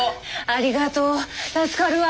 ありがとう助かるわ。